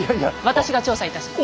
私が調査いたします。